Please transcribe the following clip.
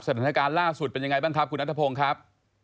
สถานการณ์ล่าสุดเป็นยังไงบ้างครับคุณนัทพงศ์ครับ